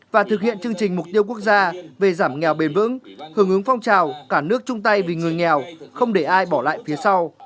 và thực hiện chương trình mục tiêu quốc gia về giảm nghèo bền vững hưởng ứng phong trào cả nước chung tay vì người nghèo không để ai bỏ lại phía sau